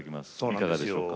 いかがでしょうか。